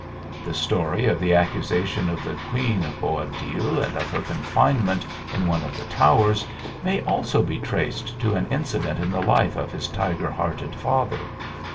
The story of the accusation of the queen of Bo abdil, and of her confinement in one of the towers, may also be traced to an incident in the life of his tiger hearted father.